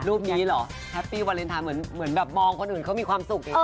รูปนี้เหรอแฮปปี้วาเลนทายเหมือนมองคนอื่นเขามีความสุขเอง